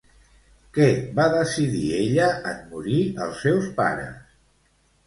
Què va decidir ella en morir els seus pares?